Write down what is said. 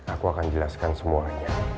aku akan jelaskan semuanya